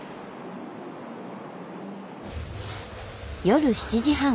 夜７時半。